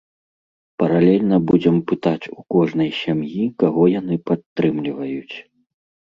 Паралельна будзем пытаць у кожнай сям'і, каго яны падтрымліваюць.